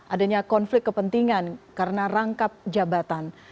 adanya konflik kepentingan karena rangkap jabatan